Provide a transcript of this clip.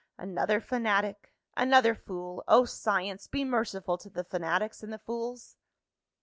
Another fanatic! another fool! Oh, Science, be merciful to the fanatics, and the fools!